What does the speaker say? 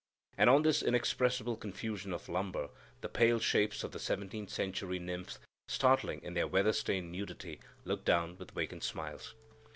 And on this inexpressible confusion of lumber the pale shapes of the seventeenth century nymphs, startling in their weather stained nudity, looked down with vacant smiles.